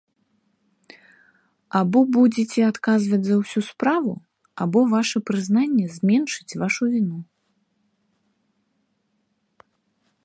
Або будзеце адказваць за ўсю справу, або ваша прызнанне зменшыць вашу віну.